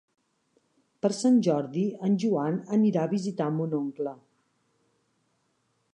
Per Sant Jordi en Joan anirà a visitar mon oncle.